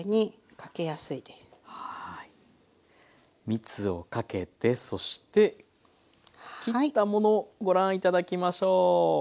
みつをかけてそして切ったものご覧頂きましょう。